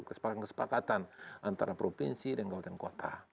kesepakatan kesepakatan antara provinsi dan kabupaten kota